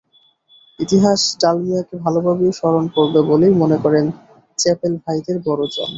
ইতিহাস ডালমিয়াকে ভালোভাবেই স্মরণ করবে বলেই মনে করেন চ্যাপেল ভাইদের বড়জন।